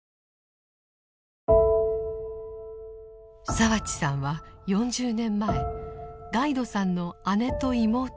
澤地さんは４０年前ガイドさんの姉と妹に会っています。